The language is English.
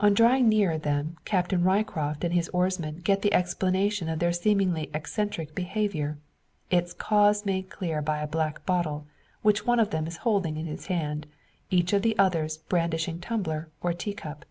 On drawing nearer them Captain Ryecroft and his oarsman get the explanation of their seemingly eccentric behaviour its cause made clear by a black bottle, which one of them is holding in his hand, each of the others brandishing tumbler, or tea cup.